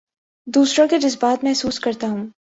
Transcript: دوسروں کے جذبات محسوس کرتا ہوں